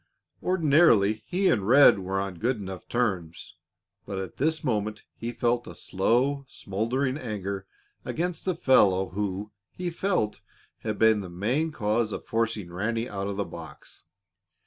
Ordinarily, he and Red were on good enough terms, but at this moment he felt a slow, smoldering anger against the fellow who, he felt, had been the main cause of forcing Ranny out of the box.